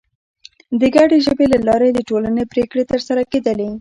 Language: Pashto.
د ګډې ژبې له لارې د ټولنې پرېکړې تر سره کېدلې.